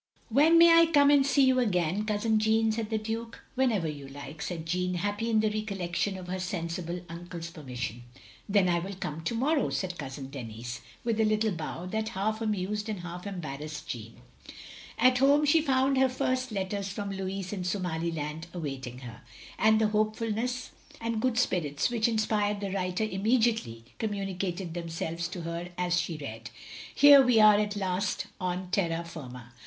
" When may I come and see you again, Cousin Jeanne?" said the Duke. "Whenever you like," said Jeanne, happy in the recollection of her sensible uncle's permission. "Then I will come to morrow," said Cousin Denis, with the little bow that half amused and half embarrassed Jeanne. At home she found her first letters from Louis in Somaliland awaiting her; and the hopefulness and good spirits which inspired the writer im mediately communicated themselves to her as fhe read: "... Here we are at last on terra firnta.